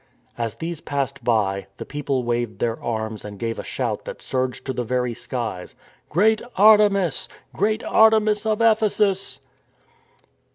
As these passed by, the people waved their arms and gave a shout that surged to the very skies —" Great Artemis, Great Artemis of Ephesus."